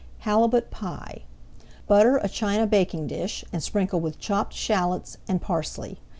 HALIBUT PIE Butter a china baking dish and sprinkle with chopped shallots and parsley.